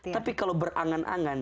tapi kalau berangan angan